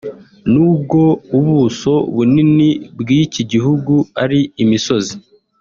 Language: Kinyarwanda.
nubwo ubuso bunini bw’iki gihugu ari imisozi